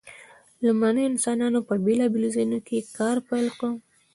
لومړنیو انسانانو په بیلابیلو ځایونو کې کار پیل کړ.